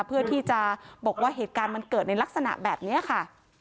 เพื่อที่จะบอกว่าเหตุการณ์มันเกิดในลักษณะแบบนี้ค่ะ